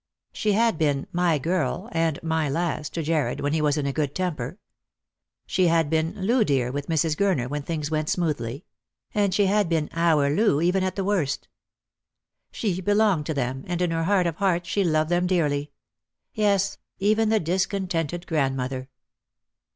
She had been " my girl " and " my lass " to Jarred when he was in a good temper. She had been "Loo dear" with Mrs. Gur ner, when things went smoothly ; and she had been " our Loo " even at the worst. She belonged to them, and in her heart of hearts she loved them dearly — yes, even the discontented grand mother.